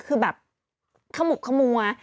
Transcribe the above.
คือแบบขะหมวกขะมัว